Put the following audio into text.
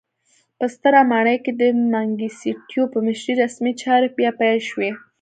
په ستره ماڼۍ کې د منګیسټیو په مشرۍ رسمي چارې بیا پیل شوې.